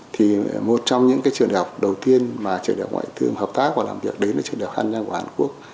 thì một trong những trường đại học đầu tiên mà trường đại học ngoại thương hợp tác và làm việc đến ở trường đại học hàn giang của hàn quốc